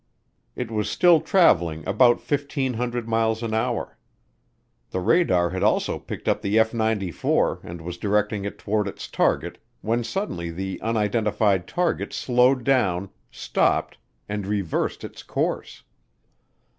It was still traveling about 1,500 miles an hour. The radar had also picked up the F 94 and was directing it toward its target when suddenly the unidentified target slowed down, stopped, and reversed its course.